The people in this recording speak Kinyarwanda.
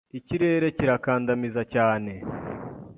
Ikirere kirakandamiza cyane.